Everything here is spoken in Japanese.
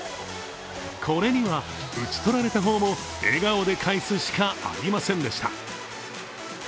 これには打ち取られた方も笑顔で返すしかありませんでした。